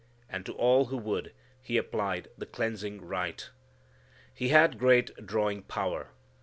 And to all who would, he applied the cleansing rite. He had great drawing power.